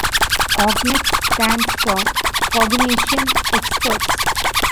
Cognex stands for Cognition Experts.